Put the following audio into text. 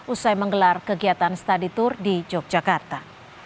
usai menggelar kegiatan staditur di yogyakarta